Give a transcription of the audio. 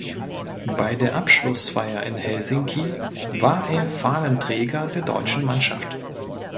Bei der Abschlussfeier in Helsinki war er Fahnenträger der deutschen Mannschaft.